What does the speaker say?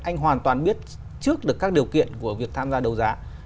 anh hoàn toàn biết trước được các điều kiện của việc tham gia đấu giá